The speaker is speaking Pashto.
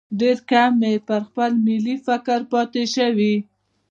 ډېر کم یې پر خپل ملي فکر پاتې شوي.